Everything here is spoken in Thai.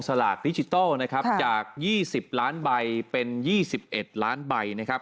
สลากดิจิทัลนะครับจาก๒๐ล้านใบเป็น๒๑ล้านใบนะครับ